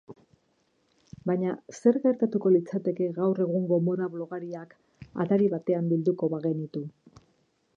Baina, zer gertatuko litzateke gaur egungo moda blogariak atari batean bilduko bagenitu?